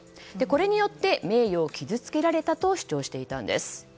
これによって名誉を傷つけられたと主張していたんです。